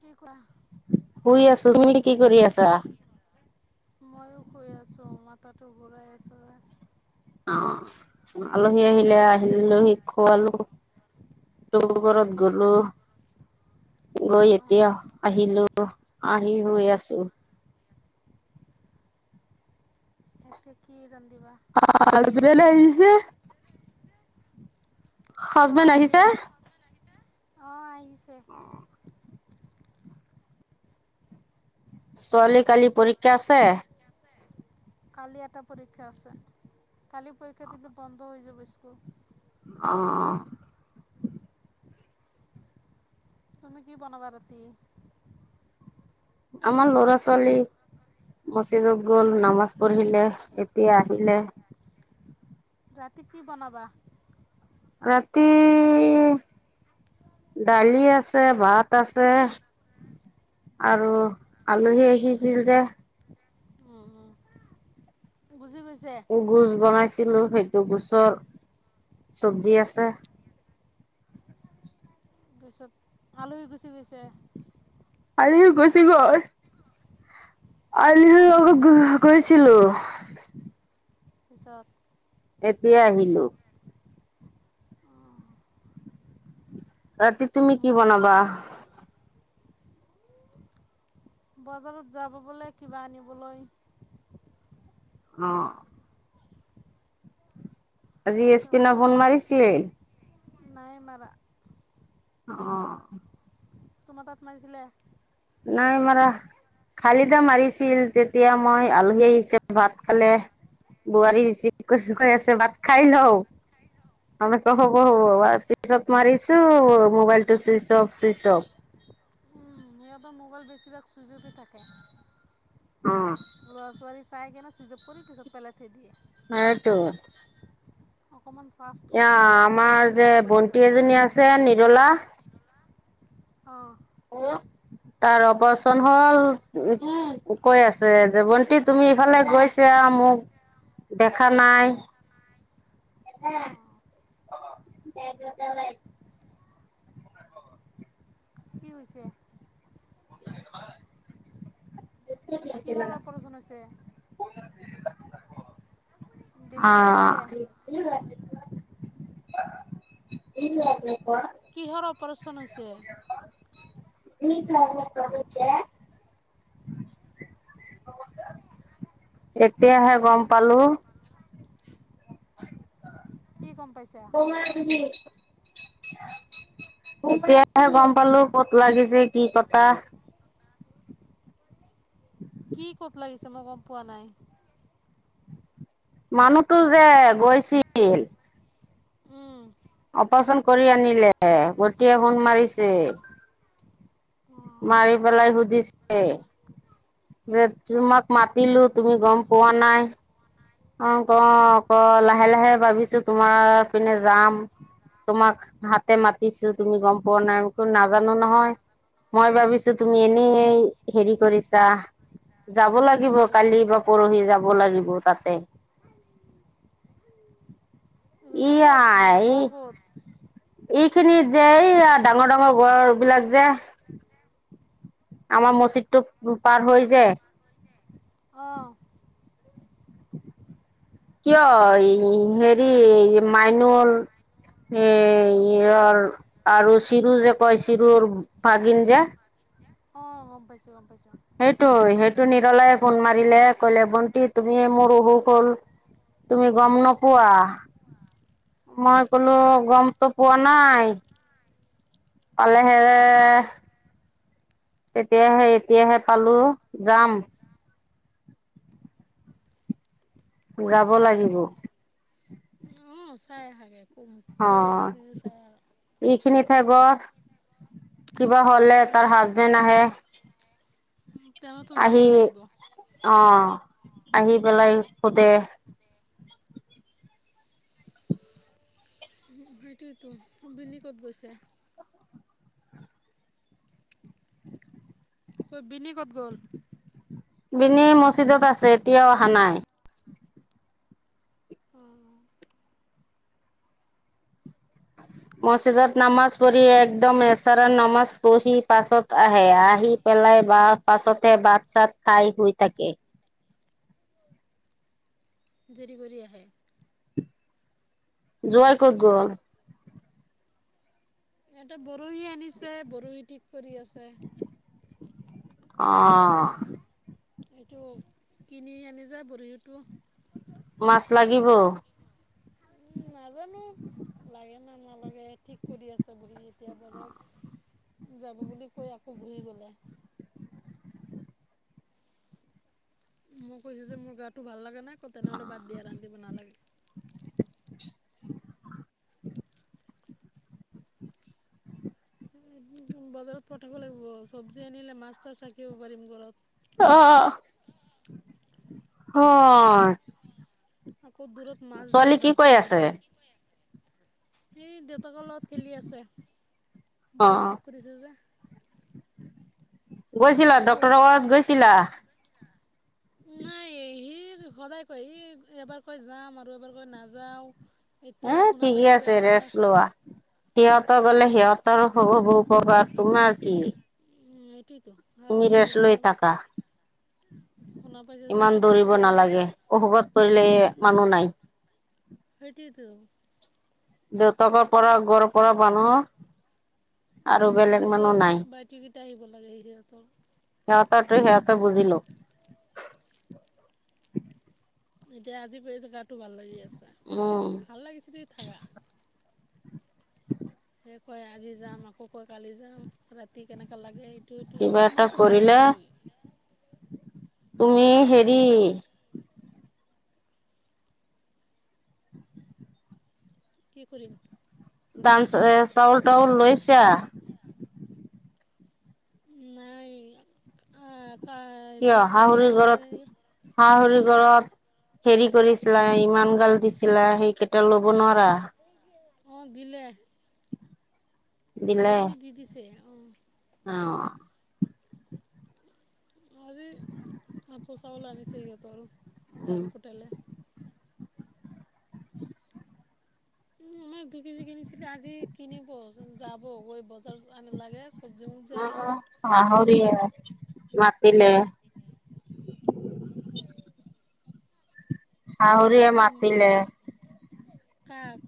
কি কোৱা শুই আছো, তুমি কি কৰি আছা? মইও শুই আছোঁ মাঠাটো ঘূৰাই আছিলে। অ', আলহী আহিলে আ', আলহীক খুৱালো। আৰু ঘৰত গ'লো। গৈ এতিয়া অঁ আহলো আহি সুই আছো। এতিয়া কি ৰান্ধিবা। [unintelligible] অ', হাজবেণ্ড আহিছে আহিলে অ', আহিছে। ছোৱালীৰ কালি পৰীক্ষা আছে। কালি এটা পৰীক্ষা আছে, কালি পৰীক্ষা দিলে বন্ধ হৈ যাব স্কুল। অ', অ',। তুমি কি বনাবা ৰাতি? আমাৰ ল'ৰা ছোৱালী। মছিদত গ'ল নামাজ পঢ়িলে, এতিয়া আহিলে। ৰাতি কি বনাবা? ৰাতি। দালি আছে ভাত আছে। আৰু আলহী আহিছিল যে। উম', উম', বুজি পাইছোঁ গোছ বনাইছিলো সেইটো গোছৰ চব্জি আছে। পিছত আলহী গুচি গৈছে। আলহি গুছি গল। তুমি আলহি ক'ত লগত গৈছিলা গ- গৈছিলো। পিছত। এতিয়া আহিলো। ৰাতি তুমি কি মোক বনাবা? বজাৰত যাব বোলে কিবা আনিবলৈ। অ', আজি এছ পিনা টকা ফোন মাৰিছিলি। নাই মাৰা। অ', তোমাৰ তাত মাৰিছিলে? নাই মৰা। কালিট মাৰিছিল তেতিয়া মই আলহী আহিছে ভাত খালে। বোৱাৰী ৰিচিভ কৰিছে কৈ আছে ভাত খাই লওঁ। আমৰ তৰ খবৰ হ তাৰ পিছত মাৰিছো মোবাইল টো চুইচ অফ চুইচ অফ। সিতৰ মোবাইল বেছিভাগ চুইচ অফ এ থাকে। অ ল'ৰা ছো ছোৱালী চাই কিনে ছুইচ অফ কৰি পিছত পেলাই থৈ দিয়ে। হ'য়টো। অকণমান চাৰ্জ থ'ব এয়া লাগে একদম আমাৰ চুইচ যে অফ কৰি পিছত ভণ্টি এৰে এজনী আছে নিৰলা। অ', হেল্লৌ তাৰ অপাৰচন হ'ল উ কৈ আছে যে ভণ্টি তুমি ইফালে গৈছ এয়া মোক দেখা নাই অ অ স ল [inaudible] কি হৈছে। [unintelligible] কিহৰ অপাৰচন হৈছে। আ। ডেলিভাৰী আছিলে [unintelligible] কিহৰ অপাৰচন হৈছে। কি প্ৰ্লে [inaudible] প্ৰব হৈছে। এতিয়াহে গম পালো। কি গম পাইছে। তোমা এইটো কি কৰি। এতিয়াহে গম পালো ক'ত লাগিছে কি কথা। কি ক'ত লাগিছে মই গম পোৱা নাই। মানুহতো যে গৈছিল। উম। অপাৰচন কৰি আনিলে গোটে সোণ মাৰিছে। অঁ মাৰি পেলাই সুধিছে। যে তোমাক মাতিলো তুমি গম পোৱা নাই। অ ক ক লাহে লাহে ভাবিছো তোমাৰ পিনে যাম। তোমাক হাতে মাতিছো তুমি গম পোৱা নাই নাজানো নহয়। মই ভাবিছো তুমি এনে হেৰি কৰিছা। যাব লাগিব ধেমালি কৰি কালি বা পৰহি যাব লাগিব তাত। ই ক'ত আই। ঘৰ ক'ত এই খিনিত যে এই ডাঙৰ ডাঙৰ গৰ বিলাক যে। আমাৰ মছজিদটো পাৰ হৈ যায়। অঁ। কিয় ৰি হয় হেৰি মাইনুল সেই ইৰ আৰু চিৰ যে কয় চিৰৰ ভাগিন যে। অ গম পাইছো গম পাইছো। সেইটোৱ সেইটো নিৰলাই ফোন মাৰিলে কলে ভন্তি তুমি মোৰ অসুখ হ'ল। তুমি গম নপোৱা। মই ক'লো অঁ গমটো পোৱা নাই। পালেহে। তেতিয়াহে এতিয়াহে পালো যাম। যাব লাগিব। অঁ চাই আহাগৈ ক' কৈ আছে দিদি চাই আৰু। এইখিনিতে গৰ কিবা হলে তাৰ সেইটোৱেতো হাজবেণ্ড আহে। তেওঁতো আহি যাবই লাগিব অ আহি পেলাই সোধে। সেইটোয়তো হুম্বেনি কত গৈছে। কই বিনি ক'ত গ'ল। বিনি মছিজদত আছে এতিয়াও অহা নাই। অঁ মছিদত নামাজ পঢ়ি একদম এচাৰা নামাজ পঢ়ি পাছত আহে আহি। পেলাই বা পাছতে বাট চাত খাই শুই থাকে। দেৰি কৰি আহে। যোৱাই কত গল। ইহঁতে বৰশী আনিছে, বৰশী ঠিক কৰি আছে। অ'! এইটো, কিনি আনি যে বৰশীটো মাছ লাগিব? উম, নাজানোঁ। লাগে না নালাগে, ঠিক কৰি আছে বুলি। এতিয়া, ব'লক। যাব বুলি কৈ, আকৌ বহি গ'লে। মই কৈছোঁ যে, মোৰ গাটো ভাল লাগা নাই। ক' তেনেহ'লে বাদ দিয়া, ৰান্ধিব নালাগে। [inaudible] মই আজি বজাৰত পঠাব লাগিব, চবজি আনিলে, মাছ-তাছ থাকিব পাৰিম ঘৰত। অ' অ'! হয়! আকৌ, দূৰত মাছ দি, কি কৈ ভাত আছে? নিদিওঁ। সি দেউতাকৰ লগত খেলি আছে, বৰশী অ', ঠিক কৰিছে যে। গৈছিলা কৈছোঁ ডক্তৰৰ পঢ়িবৰ লগত কাৰণে, গৈছিলা? [unintelligible] নাই, সি সদায় কয়, সি এবাৰ কৈ যাম আৰু এবাৰ কৈ নাযাওঁ। এতিয়া এ শুনা ঠিকে পাইছে যে আছে, এনেকে এনে ৰেষ্ট লোৱা। সিহঁতৰ গ'লে, উম। সিহঁত তৰ [unintelligible] তোমাৰ কি? উম! এইটোৱেতো। তুমি আৰু কৈ ৰেষ্ট আছে, লৈ থাকা, শুনা পাইছে যে, ইমান কি দৌৰিব কৰিব। নালাগে, অসুখত পৰিলে, মানুহ নাই। সেইটোৱেটো! দেউতাক পৰা, ঘৰৰ পৰা মানুহ, আৰু সেইটো বেলেগ মানুহ নিজৰ নাই। ভাইটি কেইটা আহিব লাগে, সিহঁতৰ। সিহঁতৰটো, সেহঁতে বুজিলোঁ। এতিয়া আজি, এই জাগাটো ভাল লাগি আছে! উম, ভাল লাগিছে দে থাকা। [inaudible] সেই কয়, আজি যাম, আকৌ কয়, কালি যাম। ৰাতি কেনেকা লাগে। সেইটো, কিবা এটা অকণমানতো কৰিলে লাগিবই। তুমি সেৰি কি কৰিম? দান, এ, চাউল-তাউল লৈছা? নাই, আঁ কিয় কলি-কালি শাহুৰি ঘৰত আনিছিলে, নেকি। শাহুৰি ঘৰত, সেৰি কৰিছিলে, ইমান গাল দিছিলে। সেই এতিয়া ল'ব নোৱাৰা? অ'! গিলে। দিলে সেইখিনি দি দিছে, অ'! অ'! আজি, আকৌ চাউল আনিছে, সিহঁতৰ। উম ধান কোটালে। উম, আমাৰ [unintelligible] কিনিছিলে। আজি কিনিব, যাব। গৈ বজাৰ আনি লাগে, চবজি [unintelligible] উম, উম, শাশুৰিয়ে, মাতিলে। শাহুৰিয়ে মাতিলে। কাক?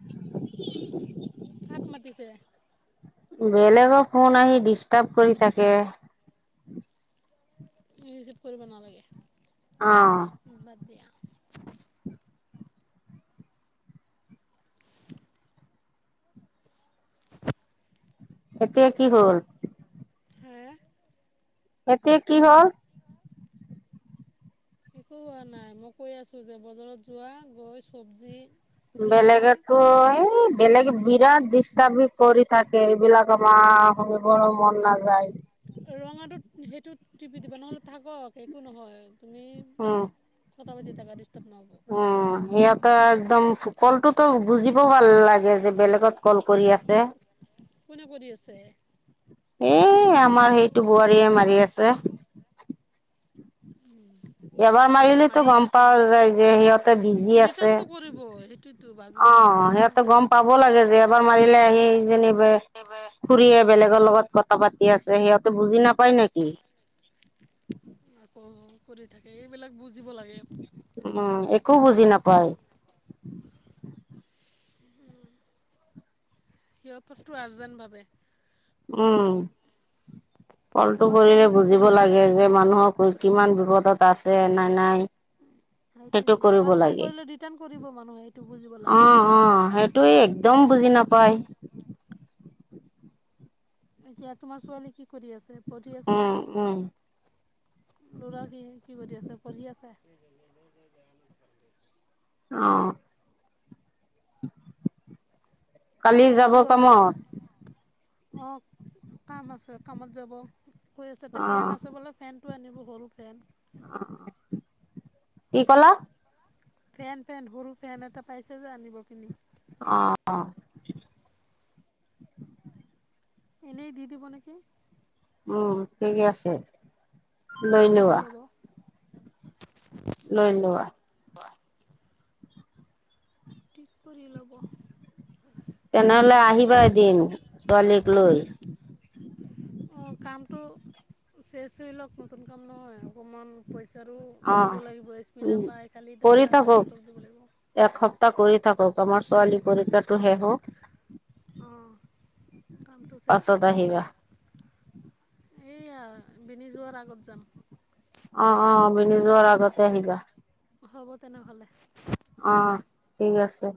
[unintelligible] কাক মাতিছে। বেলেগৰ ফোন আহি ডিষ্টাৰ্ব কৰি থাকে। ৰিচিভ কৰিব নালাগে। অ বাদ দিয়া। এতিয়া কি হ'ল। হে এতিয়া কি হ'ল? একো হোৱা নাই মই কৈ আছোঁ যে বজাৰত যোৱা গৈ চব্জি লৈ আহা বেলেগো এই বেলেগে বিৰাট ডিষ্টাৰ্ব কৰি থাকে। এইবিলাক আমাৰ শুনিবৰ মন নাযায়। ৰঙাটোত সেইটো টিপি দিবা নহ'লে থাকক একো নহয় তুমি কথা পাতি থাকা ডিষ্টাৰ্ব নহ'ব। উ সিহঁতে একদম কলটোতো বুজিব ভাল লাগে যে বেলেগত কল কৰি আছে। কোনে কৰি আছে। এ আমাৰ সেইটো বোৱাৰীয়ে মাৰি আছে। উম [inaudible] এবাৰ মাৰিলেতো গম পোৱা যায় যে সিহঁতে বিজি আছে। ৰিটাৰ্ণটো কৰিব সেইটোতো ভাবিব অ লাগে যে ৰিটাৰ্ণটো সিহঁতো গম কৰিব পাব লাগে যে এবাৰ মাৰিলে আহি যেনিবা এইবে খুৰীয়ে বেলেগৰ লগত কথা পাতি আছে সিহঁতে বুজি নাপায় নেকি? আকৌ কৰি থাকে এইবিলাক বুজিব লাগে। উম একো বুজি নাপায়। উম সিহঁতৰটো আৰ্জেন্ট ভাৱে। উম কলটো তোমাৰ কৰিলে ছোৱালী কি কৰি বুজিব আছে লাগে যে মানুহৰ কিমান দূৰতত আছে না নাই। সেইটো সেইটোৱেটো কৰিব এবাৰ কল লাগে কৰিলে ৰিটাৰ্ণ কৰিব মানুহে এইটো বুজিব লাগে। অ সেইটোে একদম বুজি নাপায়। এতিয়া তোমাৰ ছোৱালী কি কৰি আছে পঢ়ি আছেনে? উম, উম। ল'ৰা কি কি সুধি আছে পঢ়ি আছে। [inaudible] অ কালি যাব হেইটো অলপ কামত অ কাম আছে কামত যাব হৈ আছে ফেন আছে বোলে ফেনটো আনিব সৰু ফেন অ কি কলা ফেন ফেন সৰু ফেন এটা পাইছে যে আনিব কিনি। অ এনেই দি দিব নেকি? উম ঠিকে আছে ঠিক লৈ কৰি লোৱা। ল'ব লৈ লোৱা। ঠিক কৰি ল'ব। তেনেহলে আহিবা এদিন ছোৱালীক লৈ। অ কামটো শেচ হৈ লওক নতুন কাম নহয় অকণমান পইচাৰো দিব অ', লাগিব সস্মিনা উম। পায় কালি কৰি পাই থাকক সিহঁতক দিব লাগিব। এসপ্তাহ কৰি থাকক আমাৰ ছোৱালী পৰীক্ষাটো শেষ হওঁক। অঁ, কামটো শেষ হৈ পাছত লওক। আহিবা। এইয়া বিনি যোৱাৰ আগত যাম। অ অ, বিনি যোৱাৰ আগতে আহিবা। হ'ব তেনেহ'লে। অ ঠিক আছে।